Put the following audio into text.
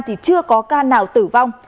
thì chưa có ca nào tử vong